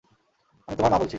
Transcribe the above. আমি তোমার মা বলছি।